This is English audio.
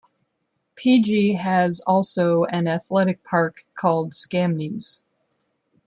Pigi has also an athletic park called "Skamnies".